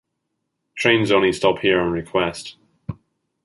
Trains only stop here on request.